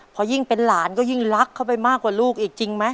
พอยิ่งเป็นหลานก็ยิ่งรักเข้าไปมากกว่าลูกอีกจริงไหม